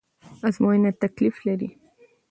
ازموينه تکليف لري